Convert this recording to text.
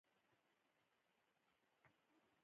لوګری چې ستړی شي نو لور په لوټه تېروي.